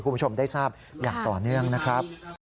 คุณผู้ชมได้ทราบอย่างต่อเนื่องนะครับ